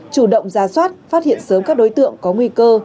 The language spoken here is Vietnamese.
chủ động ra soát phát hiện sớm các đối tượng có nguy cơ